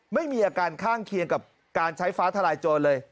ไม่มีอาการข้างเคียงกับการใช้ฟ้าทลายโจรเลย